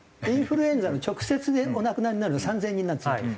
インフルエンザの直接でお亡くなりになるのは３０００人なんですよ。